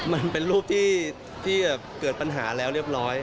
มันเป็นรูปที่เกิดปัญหาแล้วเรียบร้อย